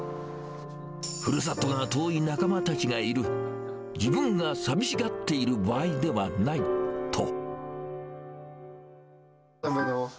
ふるさとが遠い仲間たちがいる、自分が寂しがっている場合ではないと。